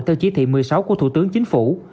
theo chỉ thị một mươi sáu của thủ tướng chính phủ